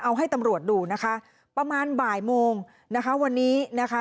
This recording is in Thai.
เอาให้ตำรวจดูนะคะประมาณบ่ายโมงนะคะวันนี้นะคะ